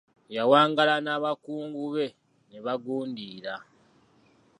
Yawangaala n'abakungu be ne bagundiira.